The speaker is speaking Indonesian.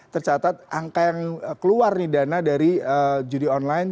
tercatat angka yang keluar nih dana dari judi online